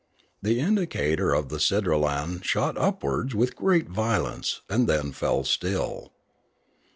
The indicator of the sidralan shot upwards with great violence, and then fell still.